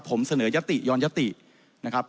ผมเสนอยติย้อนยตินะครับ